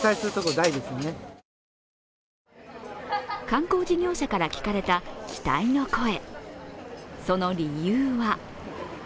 観光事業者から聞かれた期待の声。